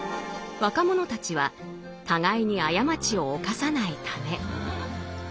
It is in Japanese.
若者たちは互いに過ちを犯さないため。